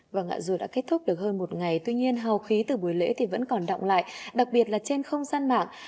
và ngùa đã kết thúc được hơn một ngày tuy nhiên hào khí từ buổi lễ thì vẫn còn động lại đặc biệt là trên không gian mạng